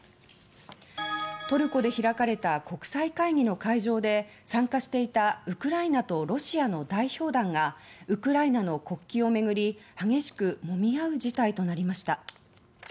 トルコで開かれた国際会議の会場で参加していたウクライナとロシアの代表団員がウクライナの国旗を巡り激しくもみ合う事態となりました。